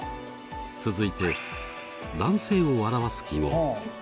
続いて男性を表す記号。